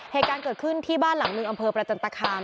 เหตุการณ์เกิดขึ้นที่บ้านหลังหนึ่งอำเภอประจันตคาม